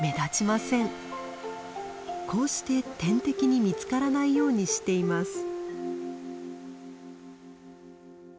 こうして天敵に見つからないようにしています。